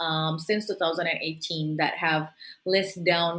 kami telah menilai lebih dari